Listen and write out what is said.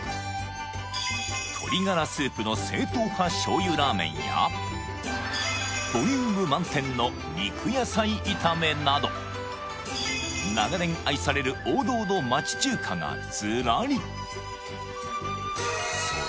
鶏ガラスープの正統派醤油ラーメンやボリューム満点の肉野菜炒めなど長年愛される王道の町中華がずらり！